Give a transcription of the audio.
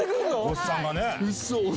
おっさんがね。